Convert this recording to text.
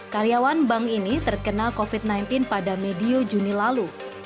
karyawan bank ini terkena covid sembilan belas pada medio juni lalu